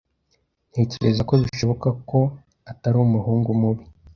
Ntekereza ko bishoboka ko atari umuhungu mubi.